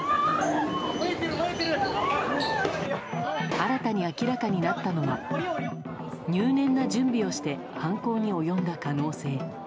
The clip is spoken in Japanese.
新たに明らかになったのは入念な準備をして犯行に及んだ可能性。